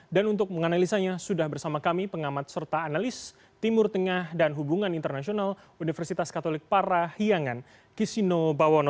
dan untuk menganalisanya sudah bersama kami pengamat serta analis timur tengah dan hubungan internasional universitas katolik parahiangan kisino bawono